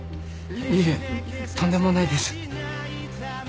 いえとんでもないです。